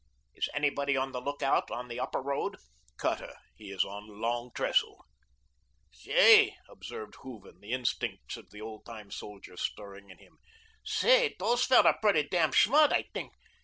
"Is anybody on the lookout on the Upper Road?" "Cutter. He is on the Long Trestle." "Say," observed Hooven, the instincts of the old time soldier stirring him, "say, dose feller pretty demn schmart, I tink.